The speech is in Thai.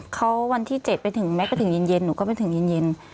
เขาวันที่๗ไปถึงแม้กระทั่งถึงเย็นหนูก็ไปถึงเย็น